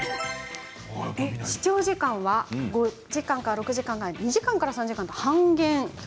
視聴時間は５、６時間だったのが２時間から３時間と半減